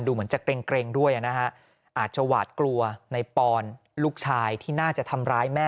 เหมือนจะเกร็งด้วยนะฮะอาจจะหวาดกลัวในปอนลูกชายที่น่าจะทำร้ายแม่